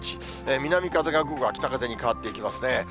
南風が午後は北風に変わっていきますね。